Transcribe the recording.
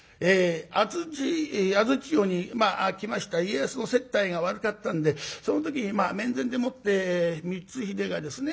安土城に来ました家康の接待が悪かったんでその時にまあ面前でもって光秀がですね「